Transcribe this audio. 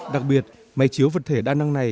đặc biệt máy chiếu vật thể đa năng này